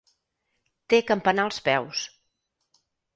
Té campanar als peus.